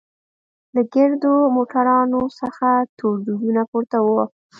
له ګردو موټرانوڅخه تور دودونه پورته وو.